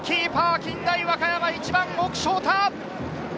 近大和歌山・１番の奥奨太。